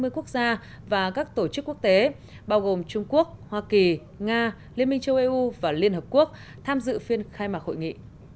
ba mươi quốc gia và các tổ chức quốc tế bao gồm trung quốc hoa kỳ nga liên minh châu âu và liên hợp quốc tham dự phiên khai mạc hội nghị